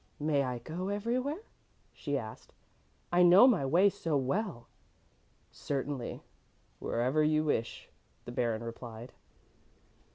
"May I go everywhere?" she asked. "I know my way so well." "Certainly, wherever you wish," the Baron replied.